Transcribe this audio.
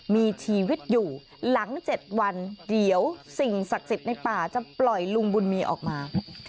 มีชีวิตอยู่หลัง๗วันเดี๋ยวสิ่งศักดิ์สิทธิ์ในป่าจะปล่อยลุงบุญมีออกมา